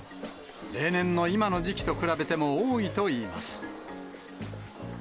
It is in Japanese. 例年の今の時期と比べても多いといいます。